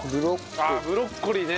ああブロッコリーね。